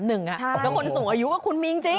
แล้วคนสูงอายุก็คุณมีจริง